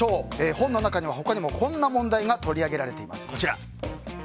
本の中には他にもこんな問題が取り上げられています。